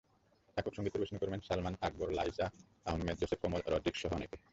একক সংগীত পরিবেশন করেন সালমা আকবর, লাইসা আহমেদ, জোসেফ কমল রডরিক্সসহ অনেকে।